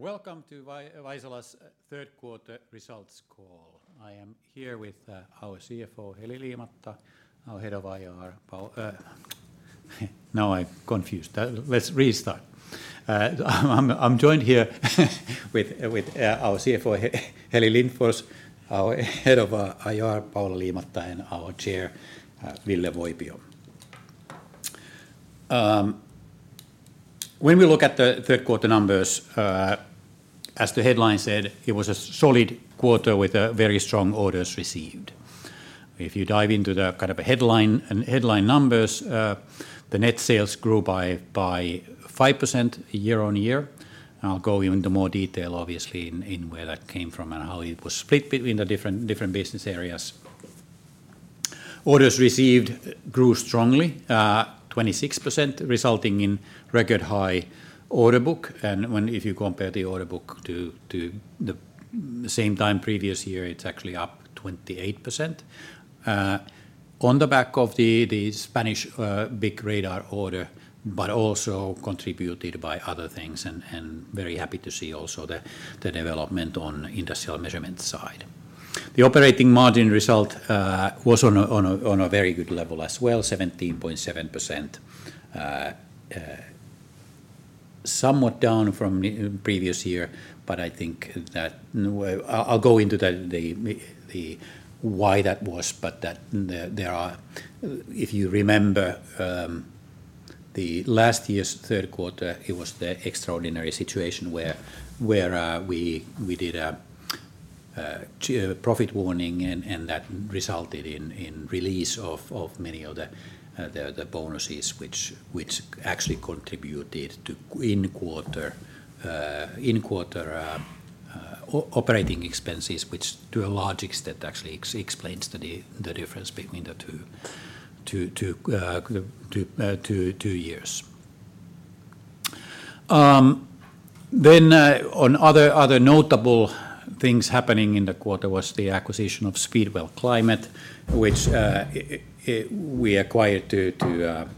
Welcome to Vaisala's third quarter results call. I'm joined here with our CFO, Heli Lindfors, our Head of IR, Paula Liimatta, and our Chair, Ville Voipio. When we look at the third quarter numbers, as the headline said, it was a solid quarter with a very strong orders received. If you dive into the kind of a headline and headline numbers, the net sales grew by 5% year-on-year. I'll go into more detail, obviously, in where that came from and how it was split between the different business areas. Orders received grew strongly, 26%, resulting in record high order book. And if you compare the order book to the same time previous year, it's actually up 28%. On the back of the Spanish big radar order, but also contributed by other things, and very happy to see also the development on industrial measurement side. The operating margin result was on a very good level as well, 17.7%. Somewhat down from the previous year, but I think that... I'll go into the why that was. If you remember, the last year's third quarter, it was the extraordinary situation where we did a profit warning, and that resulted in release of many of the bonuses which actually contributed in quarter operating expenses, which to a large extent actually explains the difference between the two years. On other notable things happening in the quarter was the acquisition of Speedwell Climate, which we acquired to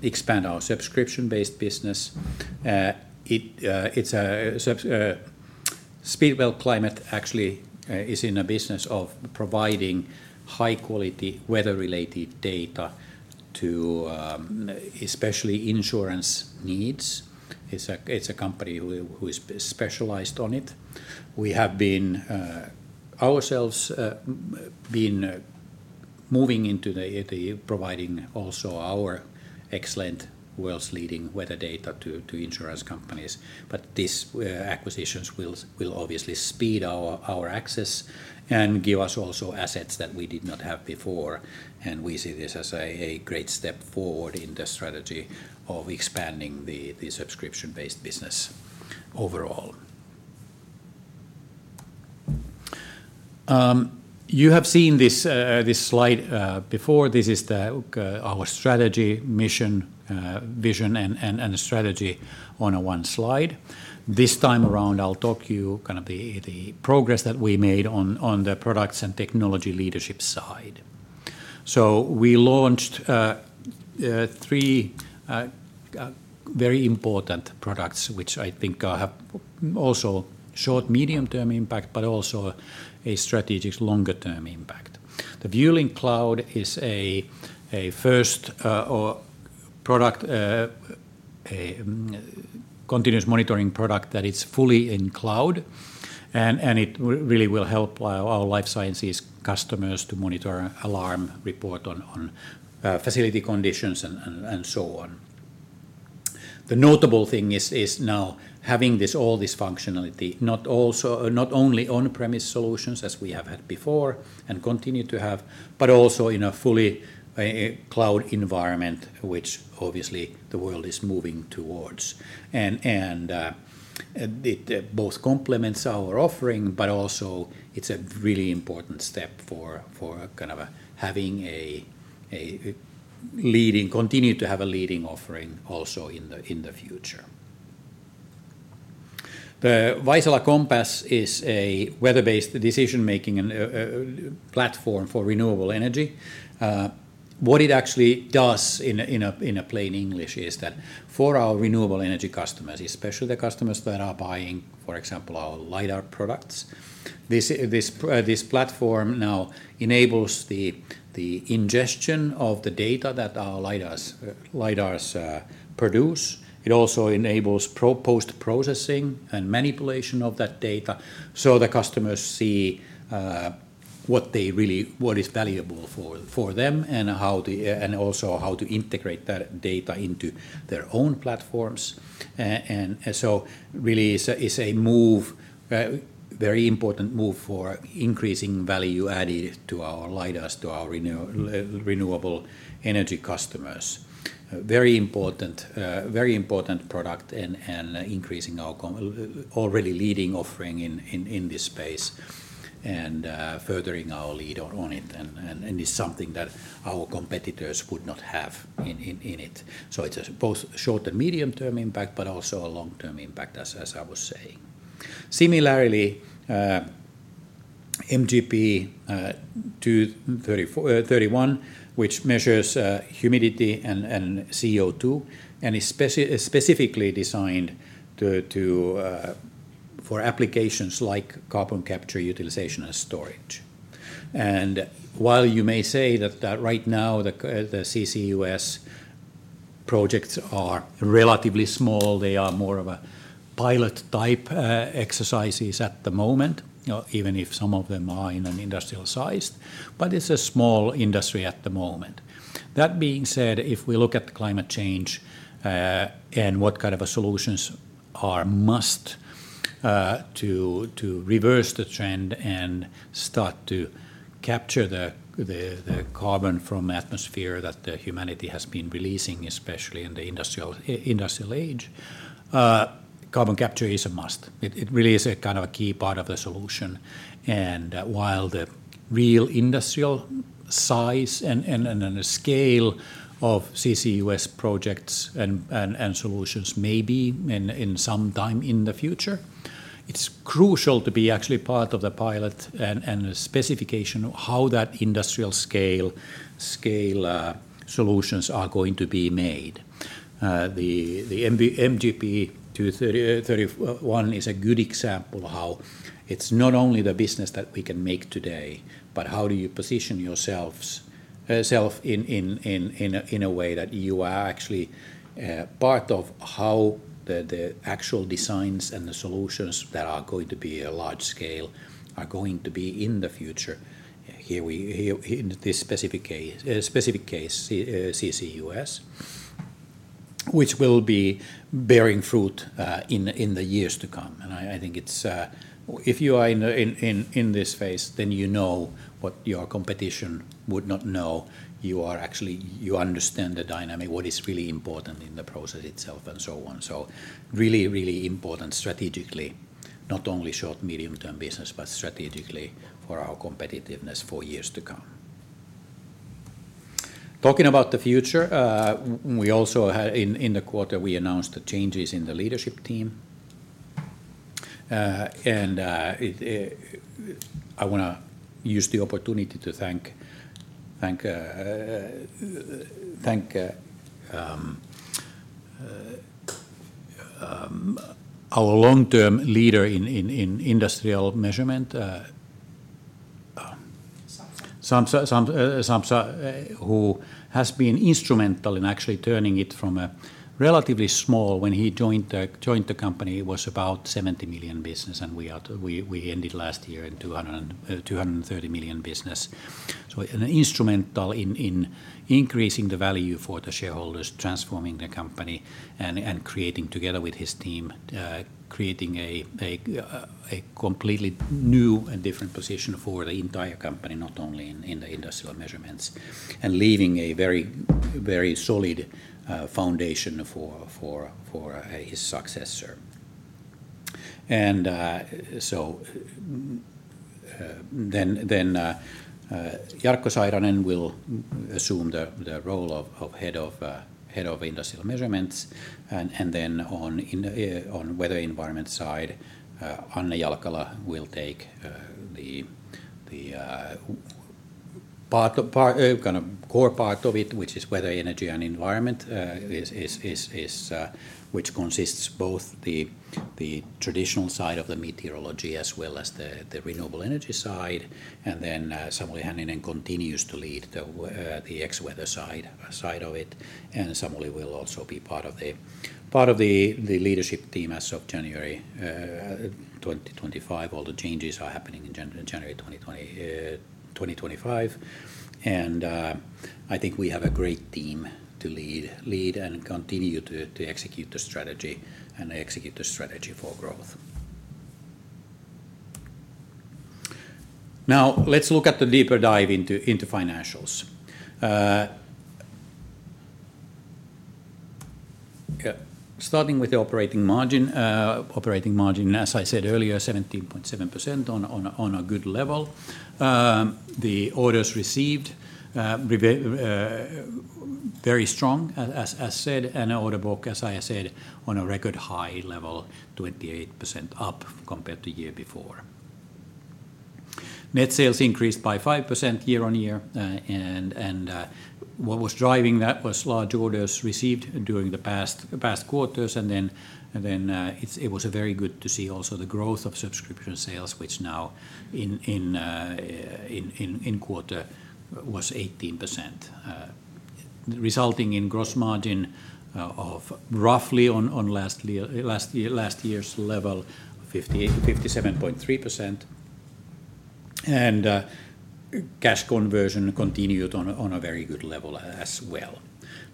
expand our subscription-based business. Speedwell Climate actually is in a business of providing high-quality, weather-related data to especially insurance needs. It's a company who is specialized on it. We have been ourselves moving into the providing also our excellent world's leading weather data to insurance companies. But this acquisitions will obviously speed our access and give us also assets that we did not have before, and we see this as a great step forward in the strategy of expanding the subscription-based business overall. You have seen this slide before. This is our strategy, mission, vision, and strategy on a one slide. This time around, I'll talk you kind of the progress that we made on the products and technology leadership side. So we launched three very important products, which I think have also short, medium-term impact, but also a strategic longer-term impact. The viewLinc Cloud is a first cloud product, a continuous monitoring product that is fully in cloud, and it really will help our life sciences customers to monitor, alarm, report on facility conditions and so on. The notable thing is now having all this functionality, not only on-premise solutions, as we have had before and continue to have, but also in a fully cloud environment, which obviously the world is moving towards. And it both complements our offering, but also it's a really important step for kind of having a leading, continue to have a leading offering also in the future. The Vaisala Compass is a weather-based decision-making platform for renewable energy. What it actually does in plain English is that for our renewable energy customers, especially the customers that are buying, for example, our lidar products, this platform now enables the ingestion of the data that our lidars produce. It also enables post-processing and manipulation of that data, so the customers see what is valuable for them and also how to integrate that data into their own platforms. And so really is a move, very important move for increasing value added to our lidars, to our renewable energy customers. Very important product and increasing our already leading offering in this space and furthering our lead on it, and it's something that our competitors would not have in it. So it's a both short and medium-term impact, but also a long-term impact, as I was saying. Similarly, [MGP]231, which measures humidity and CO2, and is specifically designed for applications like carbon capture utilization and storage. And while you may say that right now the CCUS projects are relatively small, they are more of a pilot-type exercises at the moment, you know, even if some of them are in an industrial size, but it's a small industry at the moment. That being said, if we look at the climate change and what kind of solutions are must to reverse the trend and start to capture the carbon from atmosphere that humanity has been releasing, especially in the industrial age, carbon capture is a must. It really is a kind of a key part of the solution. And while the real industrial size and scale of CCUS projects and solutions may be in some time in the future, it's crucial to be actually part of the pilot and the specification of how that industrial scale solutions are going to be made. The [MGP]231 is a good example of how it's not only the business that we can make today, but how do you position yourselves in a way that you are actually part of how the actual designs and the solutions that are going to be large scale are going to be in the future. Here, in this specific case, CCUS, which will be bearing fruit in the years to come. I think it's if you are in this phase, then you know what your competition would not know. You actually understand the dynamic, what is really important in the process itself, and so on. So really, really important strategically, not only short, medium-term business, but strategically for our competitiveness for years to come. Talking about the future, we also had in the quarter, we announced the changes in the leadership team, and I wanna use the opportunity to thank our long-term leader in Industrial Measurement. Sampsa, who has been instrumental in actually turning it from a relatively small, when he joined the company, it was about 70 million business, and we ended last year in 230 million business. So instrumental in increasing the value for the shareholders, transforming the company, and creating together with his team a completely new and different position for the entire company, not only in the Industrial Measurements, and leaving a very solid foundation for his successor. Jarkko Sairanen will assume the role of Head of Industrial Measurements, and then on weather environment side, Anne Jalkala will take the kind of core part of it, which is weather, energy, and environment, which consists both the traditional side of the meteorology as well as the renewable energy side. Then Samuli Hänninen continues to lead the Xweather side of it, and Samuli will also be part of the leadership team as of January 2025. All the changes are happening in January 2025. I think we have a great team to lead and continue to execute the strategy for growth. Now, let's look at the deeper dive into financials. Starting with the operating margin, as I said earlier, 17.7% on a good level. The orders received very strong, as said, and order book, as I said, on a record high level, 28% up compared to year before. Net sales increased by 5% year-on-year, and what was driving that was large orders received during the past quarters, and then it was very good to see also the growth of subscription sales, which now in quarter was 18%, resulting in gross margin of roughly on last year's level, 57.3%. And cash conversion continued on a very good level as well.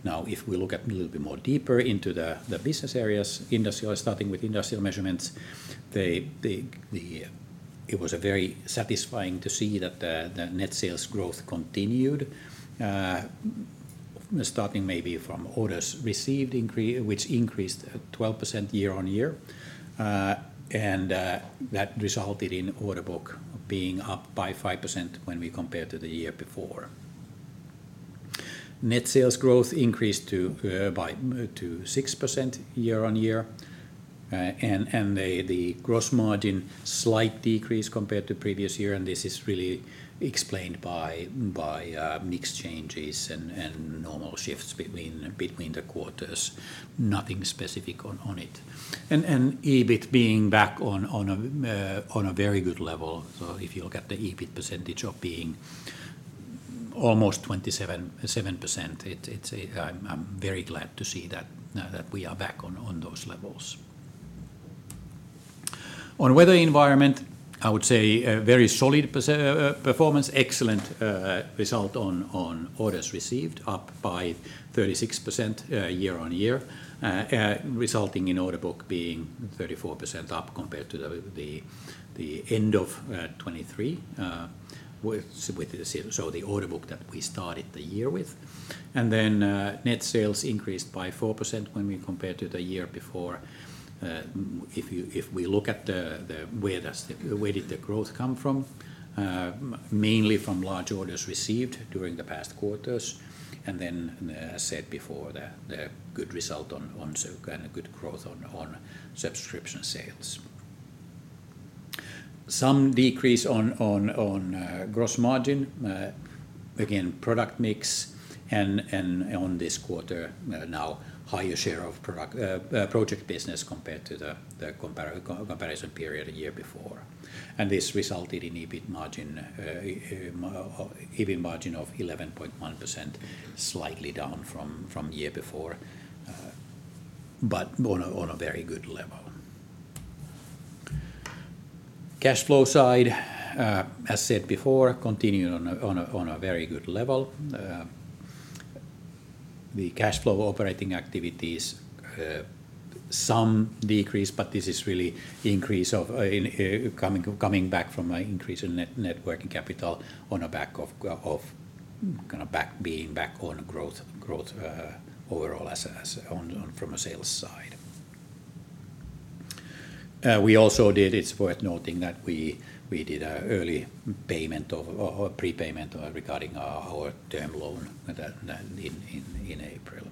Now, if we look a little bit more deeper into the business areas, industrial, starting with industrial measurements. It was very satisfying to see that the net sales growth continued, starting maybe from orders received which increased 12% year-on-year. And that resulted in order book being up by 5% when we compare to the year before. Net sales growth increased to 6% year-on-year. And the gross margin slight decrease compared to previous year, and this is really explained by mix changes and normal shifts between the quarters. Nothing specific on it. And EBIT being back on a very good level. So if you look at the EBIT percentage of being almost [27.7%], I'm very glad to see that, now that we are back on those levels. On weather environment, I would say a very solid performance, excellent result on orders received, up by 36% year-on-year, resulting in order book being 34% up compared to the end of 2023, with the same. So the order book that we started the year with. And then, net sales increased by 4% when we compare to the year before. If we look at where did the growth come from, mainly from large orders received during the past quarters, and then, as said before, the good result on [Suok] and a good growth on subscription sales. Some decrease on gross margin, again, product mix, and on this quarter, now higher share of product— project business compared to the comparison period a year before. This resulted in EBIT margin of 11.1%, slightly down from year before, but on a very good level. Cash flow side, as said before, continued on a very good level. The cash flow operating activities, some decrease, but this is really increase in coming back from an increase in net working capital on a back of kind of back, being back on growth overall, as on from a sales side. We also did— it's worth noting that we did an early payment of, or prepayment, regarding our term loan in April.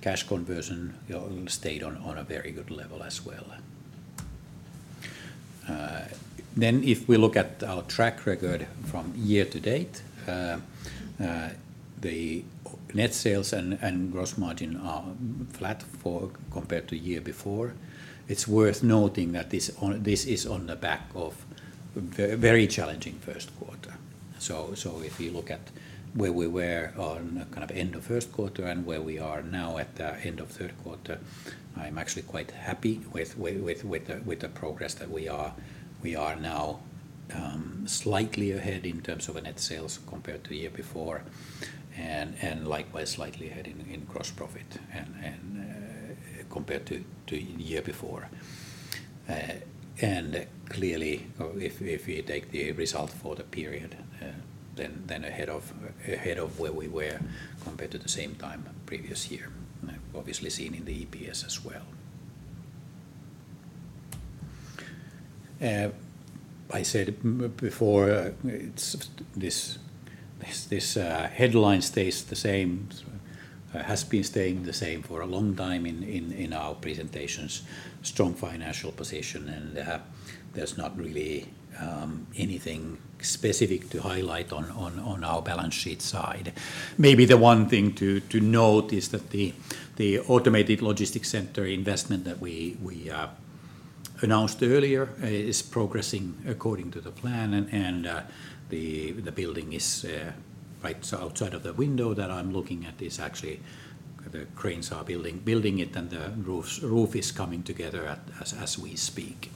Cash conversion stayed on a very good level as well. Then if we look at our track record from year-to-date, the net sales and gross margin are flat compared to year before. It's worth noting that this is on the back of very challenging first quarter. If you look at where we were on kind of end of first quarter and where we are now at the end of third quarter, I'm actually quite happy with the progress that we are. We are now slightly ahead in terms of a net sales compared to year before, and likewise, slightly ahead in gross profit compared to year before, and clearly, if you take the result for the period, then ahead of where we were compared to the same time previous year, obviously seen in the EPS as well. I said before, this headline stays the same, has been staying the same for a long time in our presentations, strong financial position, and there's not really anything specific to highlight on our balance sheet side. Maybe the one thing to note is that the automated logistics center investment that we announced earlier is progressing according to the plan, and the building is right outside of the window that I'm looking at is actually. The cranes are building it, and the roof is coming together as we speak.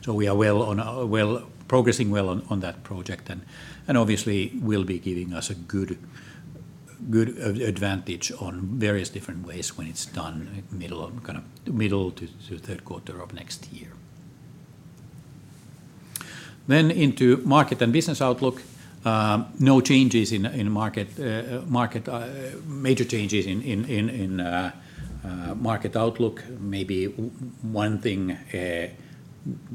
So we are progressing well on that project, and obviously, will be giving us a good advantage on various different ways when it's done, kind of middle to third quarter of next year. Then into market and business outlook, no major changes in market outlook. Maybe one thing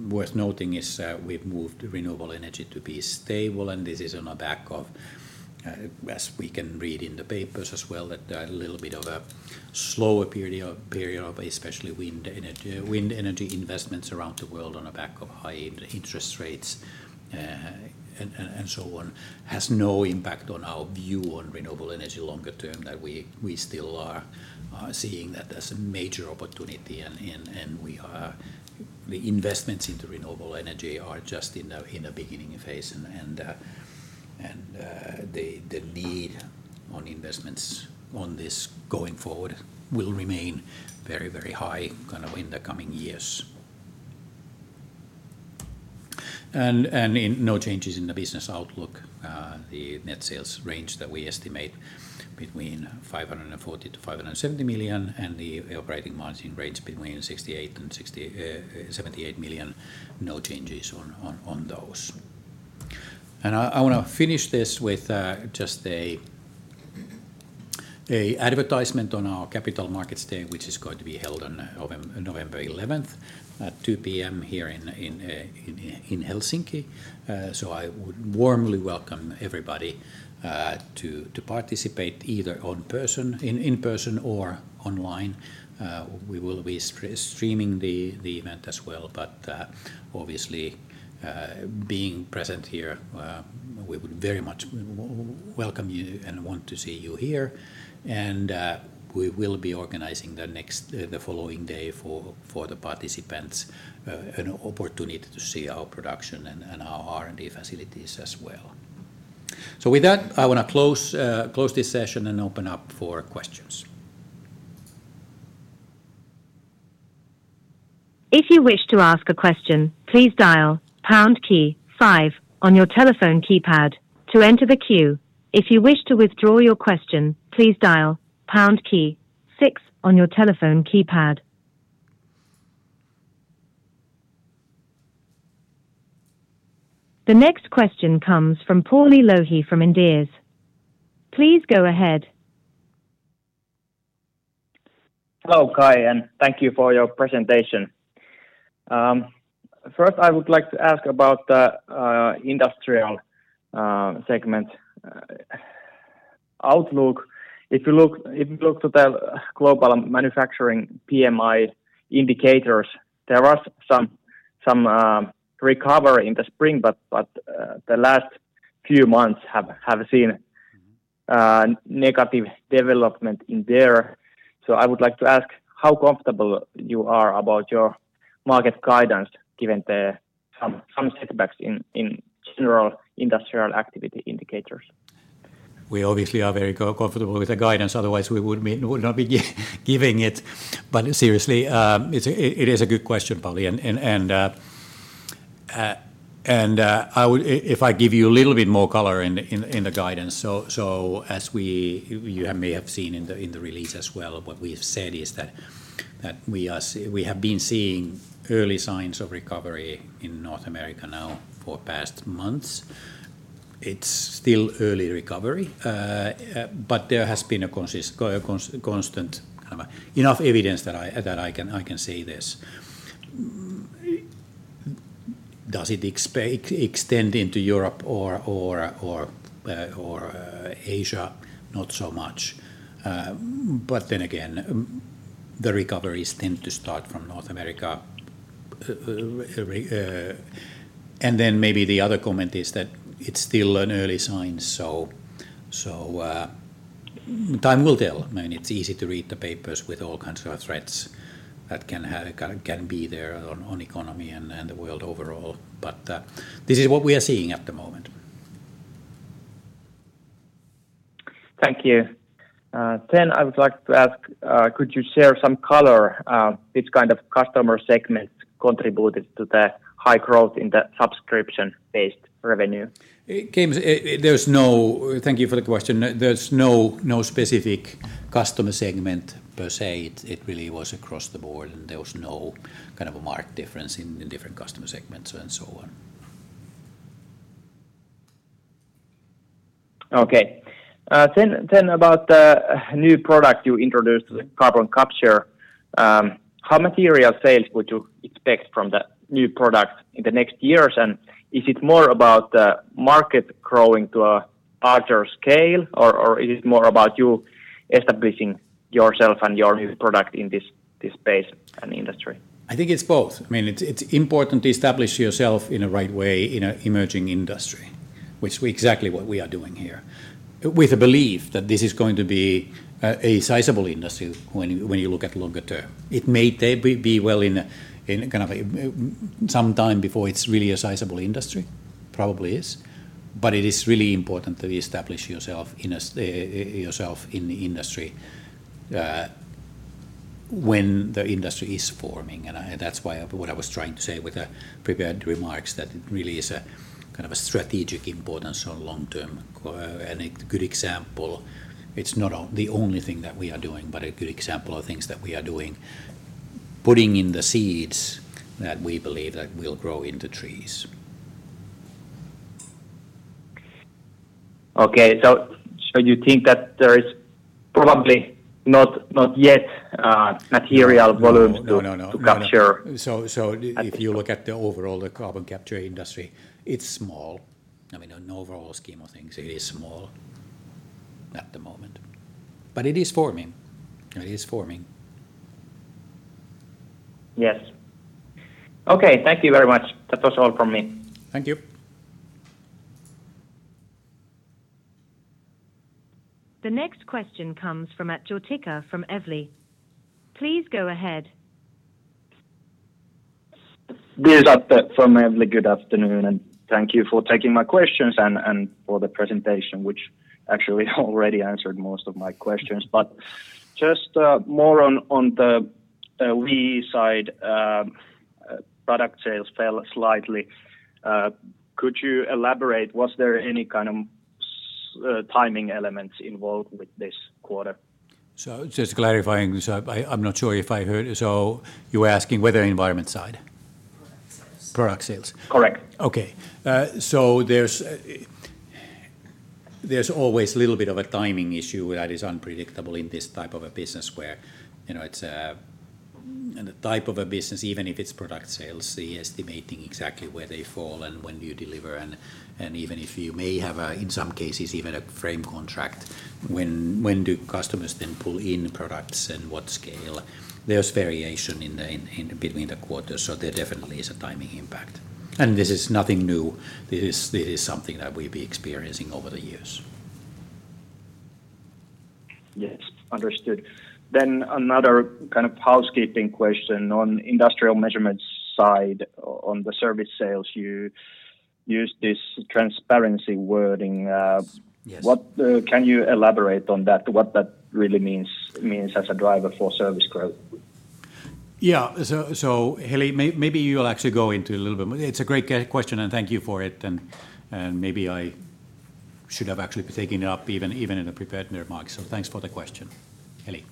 worth noting is we've moved renewable energy to be stable, and this is on the back of, as we can read in the papers as well, that a little bit of a slower period especially wind energy investments around the world on the back of high interest rates, and so on, has no impact on our view on renewable energy longer term, that we still are seeing that as a major opportunity, and the investments into renewable energy are just in a beginning phase, and the need on investments on this going forward will remain very, very high, kind of in the coming years. No changes in the business outlook, the net sales range that we estimate between 540 million-570 million, and the operating result between 68 million and 78 million, no changes on those. I wanna finish this with just an advertisement on our Capital Markets Day, which is going to be held on November 11th, at 2:00 P.M., here in Helsinki. So I would warmly welcome everybody to participate either in person or online. We will be streaming the event as well, but obviously, being present here, we would very much welcome you and want to see you here. And, we will be organizing the following day for the participants, an opportunity to see our production and our R&D facilities as well. So, with that, I want to close this session and open up for questions. If you wish to ask a question, please dial pound key five on your telephone keypad to enter the queue. If you wish to withdraw your question, please dial pound key six on your telephone keypad. The next question comes from Pauli Lohi from Inderes. Please go ahead. Hello, Kai, and thank you for your presentation. First, I would like to ask about the industrial segment outlook. If you look to the global manufacturing PMI indicators, there was some recovery in the spring, but the last few months have seen negative development in there. So I would like to ask, how comfortable you are about your market guidance, given some setbacks in general industrial activity indicators? We obviously are very comfortable with the guidance, otherwise we would not be giving it, but seriously, it's a good question, Pauli, and I would, if I give you a little bit more color in the guidance, so as you may have seen in the release as well, what we have said is that we have been seeing early signs of recovery in North America now for past months. It's still early recovery, but there has been a constant, kind of, enough evidence that I can say this. Does it extend into Europe or Asia? Not so much. But then again, the recoveries tend to start from North America. And then maybe the other comment is that it's still an early sign, so time will tell. I mean, it's easy to read the papers with all kinds of threats that can be there on economy and the world overall. But this is what we are seeing at the moment. Thank you. Then I would like to ask, could you share some color, which kind of customer segments contributed to the high growth in the subscription-based revenue? Thank you for the question. There's no specific customer segment per se. It really was across the board, and there was no kind of a marked difference in the different customer segments and so on. Okay. Then about the new product you introduced, the carbon capture, how material sales would you expect from the new product in the next years? And is it more about the market growing to a larger scale, or is it more about you establishing yourself and your new product in this space and industry? I think it's both. I mean, it's important to establish yourself in a right way in an emerging industry, which we exactly what we are doing here, with a belief that this is going to be a sizable industry when you look at longer term. It may take be well in a kind of a some time before it's really a sizable industry, probably is. But it is really important that you establish yourself in the industry when the industry is forming. That's why what I was trying to say with the prepared remarks, that it really is a kind of a strategic importance on long-term, and a good example. It's not the only thing that we are doing, but a good example of things that we are doing, putting in the seeds that we believe that will grow into trees. Okay. So you think that there is probably not yet material volumes to capture? No. No, no, no. If you look at the overall, the carbon capture industry, it's small. I mean, on overall scheme of things, it is small at the moment, but it is forming. It is forming. Yes. Okay, thank you very much. That was all from me. Thank you. The next question comes from Atte Jortikka from Evli. Please go ahead. This is Atte from Evli. Good afternoon, and thank you for taking my questions and for the presentation, which actually already answered most of my questions. But just more on the we side, product sales fell slightly. Could you elaborate? Was there any kind of timing elements involved with this quarter? So just clarifying this, I'm not sure if I heard, so you were asking whether environment side? Product sales. Correct. Okay. So there's always a little bit of a timing issue that is unpredictable in this type of a business where, you know, it's a, the type of a business, even if it's product sales, the estimating exactly where they fall and when do you deliver and, and even if you may have a, in some cases, even a frame contract, when do customers then pull in products and what scale? There's variation between the quarters, so there definitely is a timing impact. And this is nothing new. This is something that we've been experiencing over the years. Yes, understood. Then another kind of housekeeping question on industrial measurement side. On the service sales, you used this transparency wording, What? Can you elaborate on that, what that really means as a driver for service growth? Yeah. So, Heli, maybe you'll actually go into it a little bit. It's a great question, and thank you for it, and maybe I should have actually taken it up even in the prepared remarks, so thanks for the question. Heli?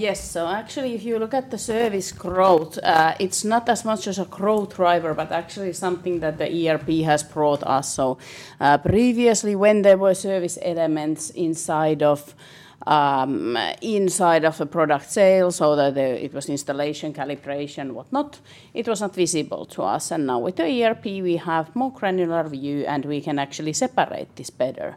Yes, so actually, if you look at the service growth, it's not as much as a growth driver, but actually something that the ERP has brought us. So, previously, when there were service elements inside of a product sale, so that it was installation, calibration, whatnot, it was not visible to us, and now with the ERP, we have more granular view, and we can actually separate this better,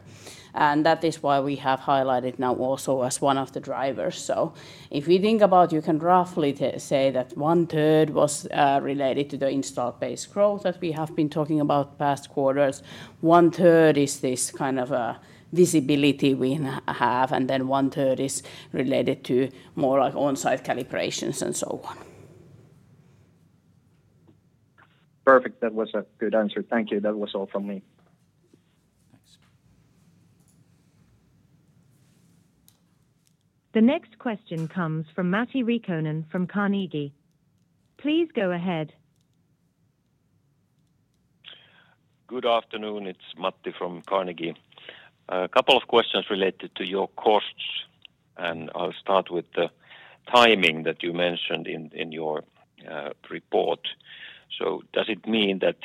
and that is why we have highlighted now also as one of the drivers. So if you think about, you can roughly say that 1/3 was related to the installed base growth that we have been talking about the past quarters. 1/3 is this kind of visibility we now have, and then 1/3 is related to more like on-site calibrations and so on. Perfect. That was a good answer. Thank you. That was all from me. Thanks. The next question comes from Matti Riikonen from Carnegie. Please go ahead. Good afternoon, it's Matti from Carnegie. A couple of questions related to your costs, and I'll start with the timing that you mentioned in your report. So does it mean that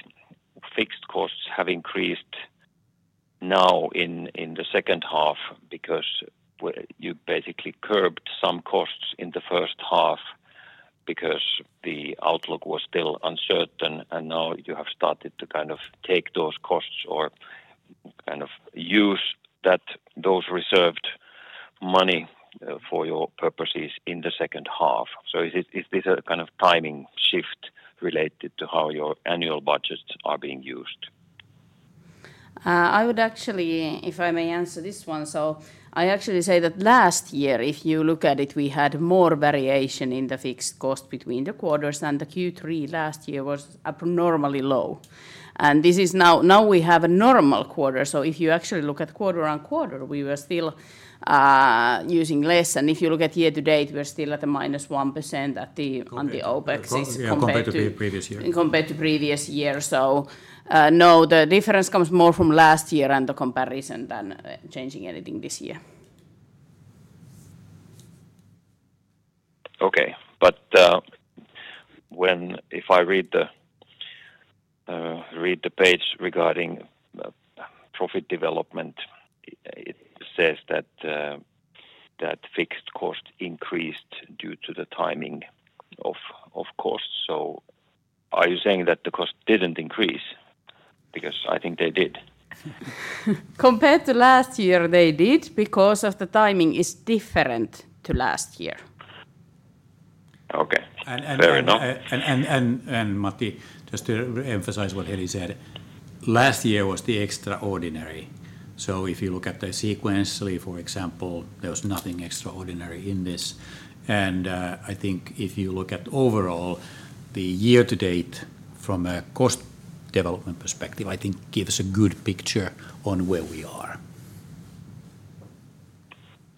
fixed costs have increased now in the second half because you basically curbed some costs in the first half because the outlook was still uncertain, and now you have started to kind of take those costs or kind of use that, those reserved money for your purposes in the second half? So is this a kind of timing shift related to how your annual budgets are being used? I would actually... If I may answer this one, so I actually say that last year, if you look at it, we had more variation in the fixed cost between the quarters, and the Q3 last year was abnormally low. And this is now, we have a normal quarter, so if you actually look at quarter-on-quarter, we were still using less. And if you look at year-to-date, we're still at a -1% at the- Okay... on the OpEx compared to- Yeah, compared to previous year.... compared to previous year. So, no, the difference comes more from last year and the comparison than changing anything this year. Okay, but if I read the page regarding profit development, it says that fixed cost increased due to the timing, of course. So are you saying that the cost didn't increase? Because I think they did. Compared to last year, they did, because the timing is different to last year. Okay. Fair enough. Matti, just to emphasize what Heli said, last year was the extraordinary. So if you look at this sequentially, for example, there was nothing extraordinary in this. And, I think if you look at overall, the year-to-date from a cost development perspective, I think gives a good picture on where we are.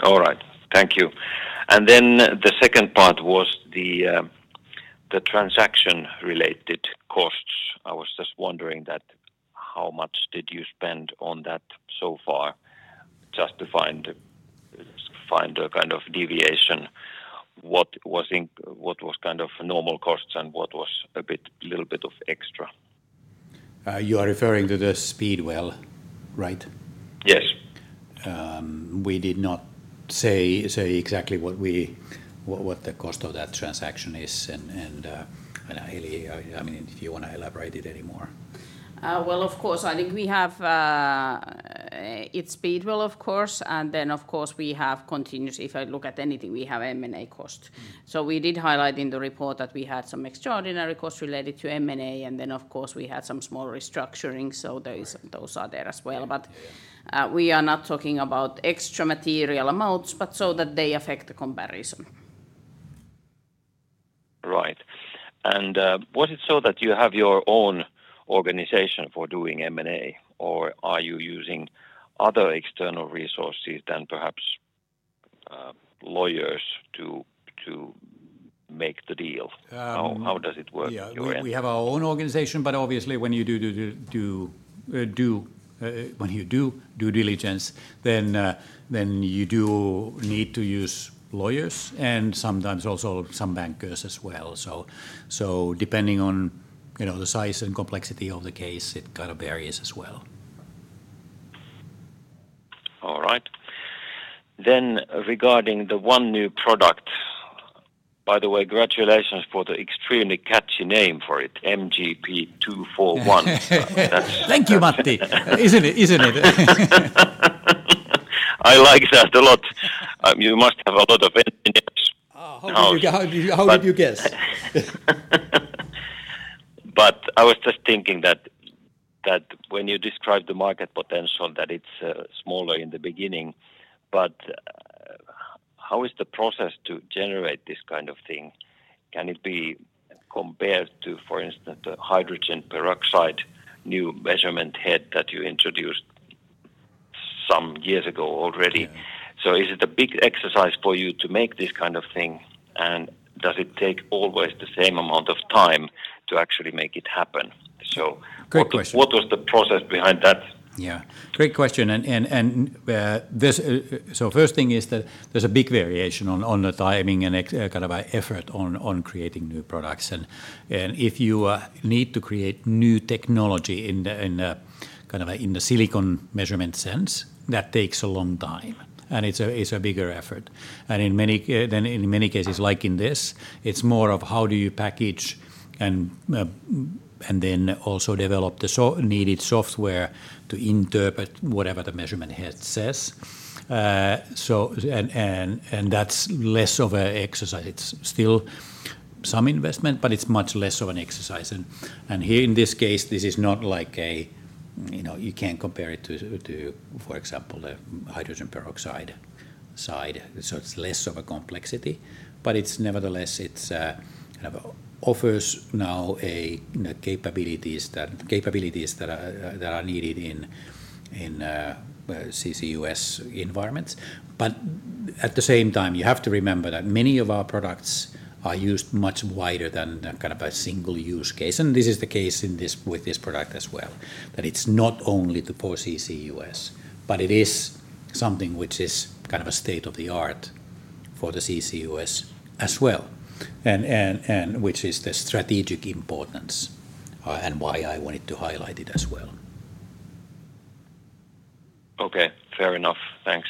All right. Thank you. And then the second part was the transaction-related costs. I was just wondering that how much did you spend on that so far, just to find the kind of deviation, what was kind of normal costs and what was a bit, little bit of extra? You are referring to the Speedwell, right? Yes. We did not say exactly what the cost of that transaction is. Heli, I mean, if you wanna elaborate it anymore. Well, of course, I think we have— it's Speedwell, of course, and then, of course, we have continuous. If I look at anything, we have M&A cost. So we did highlight in the report that we had some extraordinary costs related to M&A, and then, of course, we had some small restructuring, so those are there as well. But we are not talking about extra material amounts, but so that they affect the comparison. Right. And was it so that you have your own organization for doing M&A, or are you using other external resources than perhaps, lawyers to make the deal? How does it work on your end? Yeah, we have our own organization, but obviously, when you do due diligence, then you do need to use lawyers and sometimes also some bankers as well. So, depending on, you know, the size and complexity of the case, it kind of varies as well. All right, then regarding the one new product, by the way, congratulations for the extremely catchy name for it, MGP241. Thank you, Matti. Isn't it? Isn't it? I like that a lot. You must have a lot of engineers. How did you guess? But I was just thinking that when you describe the market potential, that it's smaller in the beginning, but how is the process to generate this kind of thing? Can it be compared to, for instance, the hydrogen peroxide new measurement head that you introduced some years ago already? So, is it a big exercise for you to make this kind of thing? And does it take always the same amount of time to actually make it happen? So what was the process behind that? Yeah, great question. First thing is that there's a big variation on the timing and kind of effort on creating new products. And if you need to create new technology in the silicon measurement sense, that takes a long time, and it's a bigger effort. And in many— than in many cases, like in this, it's more of how do you package and then also develop the needed software to interpret whatever the measurement head says. So— and that's less of an exercise. It's still some investment, but it's much less of an exercise. And here in this case, this is not like, you know, you can't compare it to, for example, the hydrogen peroxide side. So it's less of a complexity, but it's nevertheless offers now a capabilities that are needed in CCUS environments. But at the same time, you have to remember that many of our products are used much wider than the kind of a single use case. And this is the case with this product as well, that it's not only for CCUS, but it is something which is kind of a state-of-the-art for the CCUS as well, and which is the strategic importance, and why I wanted to highlight it as well. Okay, fair enough. Thanks.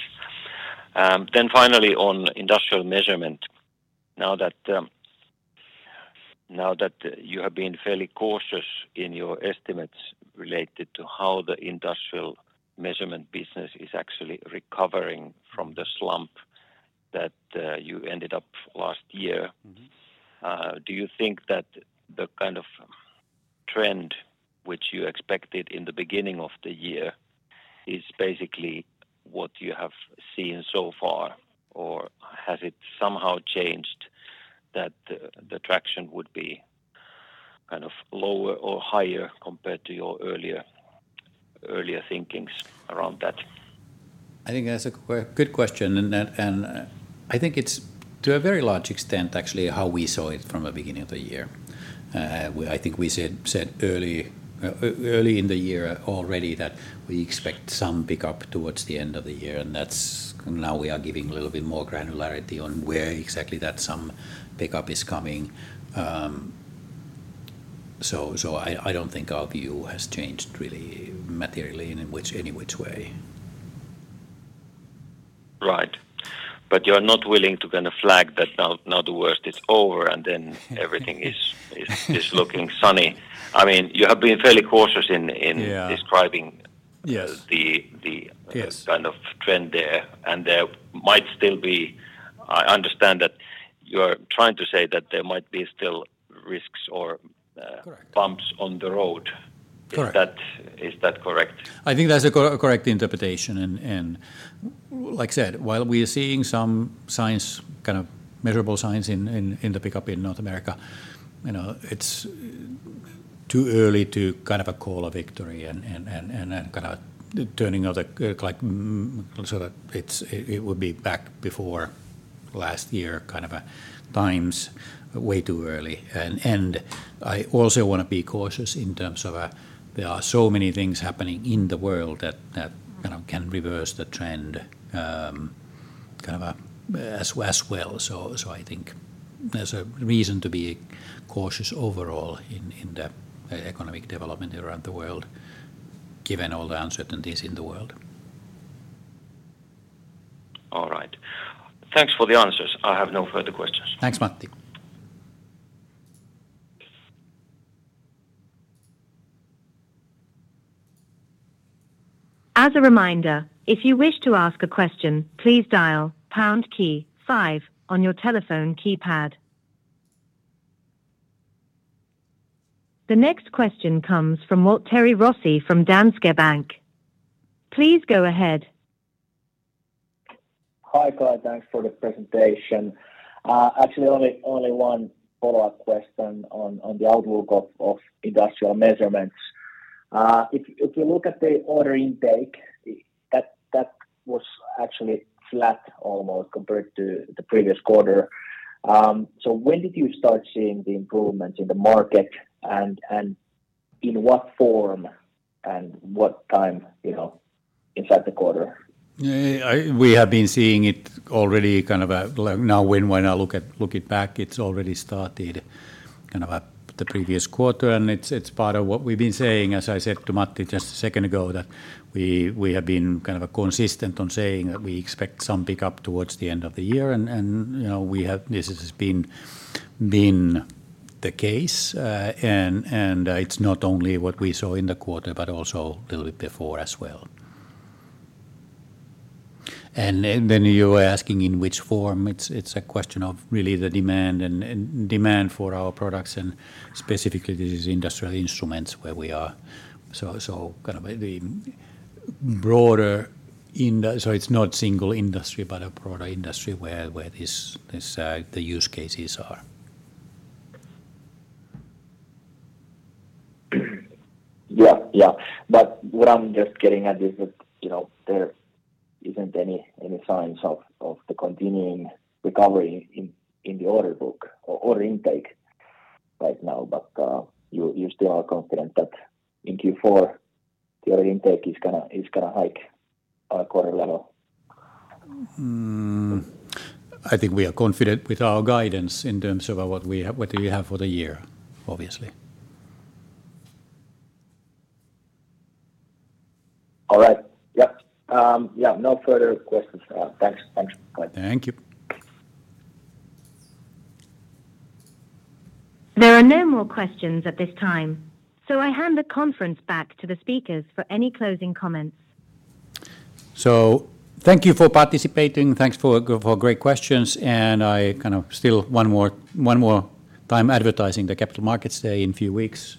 Then finally, on industrial measurement, now that you have been fairly cautious in your estimates related to how the industrial measurement business is actually recovering from the slump that you ended up last year, do you think that the kind of trend which you expected in the beginning of the year is basically what you have seen so far, or has it somehow changed that the traction would be kind of lower or higher compared to your earlier thinkings around that? I think that's a good question, and that. And I think it's, to a very large extent, actually how we saw it from the beginning of the year. I think we said early in the year already that we expect some pickup towards the end of the year, and that's— now we are giving a little bit more granularity on where exactly that some pickup is coming. So I don't think our view has changed really materially in any which way. Right. But you're not willing to kind of flag that now the worst is over, and then everything is looking sunny. I mean, you have been fairly cautious in describing the kind of trend there. And there might still be. I understand that you're trying to say that there might be still risks or bumps on the road. Is that, is that correct? I think that's a correct interpretation, and like I said, while we are seeing some signs, kind of measurable signs in the pickup in North America, you know, it's too early to kind of call a victory and kind of turning of the like, so that it's it would be back before last year, kind of times, way too early, and I also wanna be cautious in terms of there are so many things happening in the world that, that kind of can reverse the trend, kind of, as well. So I think there's a reason to be cautious overall in the economic development around the world, given all the uncertainties in the world. All right. Thanks for the answers. I have no further questions. Thanks, Matti. As a reminder, if you wish to ask a question, please dial pound key five on your telephone keypad. The next question comes from Waltteri Rossi from Danske Bank. Please go ahead. Hi, Kai. Thanks for the presentation. Actually, only one follow-up question on the outlook of industrial measurements. If you look at the order intake, that was actually flat almost compared to the previous quarter. So when did you start seeing the improvements in the market, and in what form and what time, you know, inside the quarter? We have been seeing it already kind of like now when I look back. It's already started kind of at the previous quarter, and it's part of what we've been saying, as I said to Matti just a second ago, that we have been kind of consistent on saying that we expect some pick-up towards the end of the year. You know, we have— this has been the case, and it's not only what we saw in the quarter, but also [a little bit before] as well. Then you were asking in which form. It's a question of really the demand and demand for our products, and specifically these industrial instruments where we are. So it's not single industry, but a broader industry where this, the use cases are. Yeah, yeah. But what I'm just getting at is that, you know, there isn't any signs of the continuing recovery in the order book or order intake right now. But you still are confident that in Q4, the order intake is gonna hike on a quarter level? I think we are confident with our guidance in terms of what we have for the year, obviously. All right. Yep. Yeah, no further questions. Thanks. Thanks. Bye. Thank you. There are no more questions at this time, so I hand the conference back to the speakers for any closing comments. So thank you for participating. Thanks for great questions, and I kind of still one more time advertising the Capital Markets Day in a few weeks.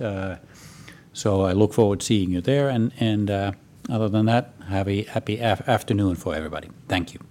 So I look forward to seeing you there. And other than that, have a happy afternoon for everybody. Thank you.